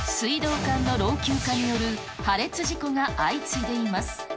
水道管の老朽化による破裂事故が相次いでいます。